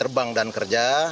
terbang dan kerja